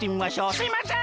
すいません